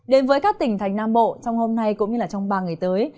đến với các tỉnh thành nam bộ trong hôm nay cũng như trong ba ngày tới